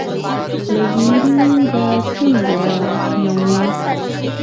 زګیروي به څنګه رسموي